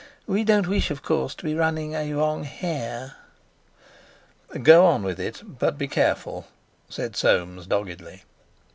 We don't wish, of course, to be running a wrong hare." "Go on with it, but be careful," said Soames doggedly.